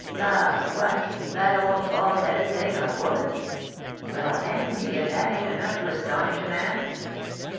"La! what, that old bald headed thing a woman? Well, hang me if that ain't enough to astonish a man!"